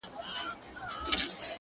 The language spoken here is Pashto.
ساقي جانانه ته را یاد سوې تر پیالې پوري؛